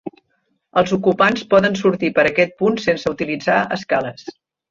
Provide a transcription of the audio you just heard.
Els ocupants poden sortir per aquest punt sense utilitzar escales.